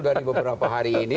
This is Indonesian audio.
dari beberapa hari ini